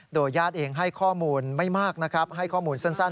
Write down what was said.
โดยญาติเองให้ข้อมูลไม่มากนะครับให้ข้อมูลสั้น